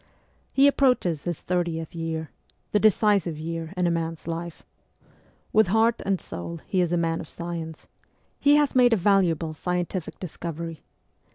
He approaches his thirtieth year the decisive year in a man's life. With heart and soul he is a man of science ; he has made a valuable scientific discovery.